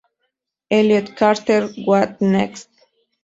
Elliott Carter: "What Next?